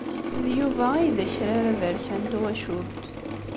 D Yuba ay d akrar aberkan n twacult.